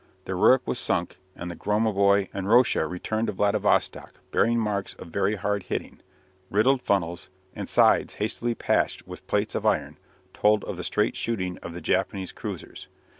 The "Rurik" was sunk, and the "Gromoboi" and "Rossia" returned to Vladivostock, bearing marks of very hard hitting riddled funnels, and sides hastily patched with plates of iron, told of the straight shooting of the Japanese cruisers.